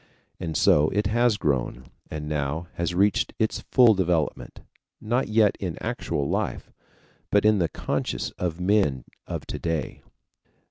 And so it has grown, and now has reached its full development, not yet in actual life, but in the conscience of men of to day.